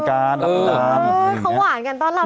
เค้าหวานกันเต้อนที่นาง